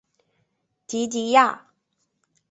蒂蒂雅。